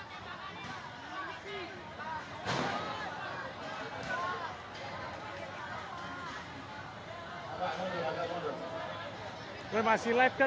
sebelum nyiflidos durasi main kesehatan